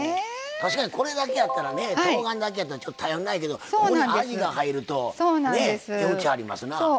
これだけやったらねとうがんだけやったら頼りないけどここに、あじが入ると値打ちありますな。